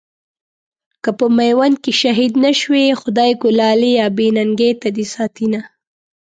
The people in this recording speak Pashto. که په ميوند کې شهيد نه شوې، خدایږو لاليه بې ننګۍ ته دې ساتينه